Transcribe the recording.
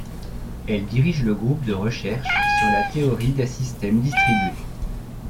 Elle dirige le groupe de recherche sur la théorie des systèmes distribués.